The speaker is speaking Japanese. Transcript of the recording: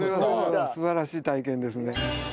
素晴らしい体験ですね。